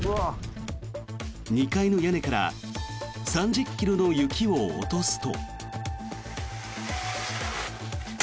２階の屋根から３０ｋｇの雪を落とすと。